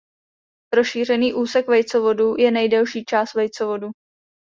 Rozšířený úsek vejcovodu je nejdelší část vejcovodu.